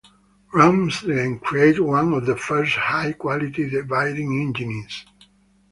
Ramsden created one of the first high-quality dividing engines.